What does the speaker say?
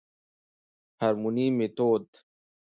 هورموني ميتود